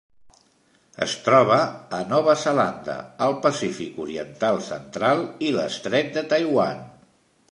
Es troba a Nova Zelanda, el Pacífic oriental central i l'Estret de Taiwan.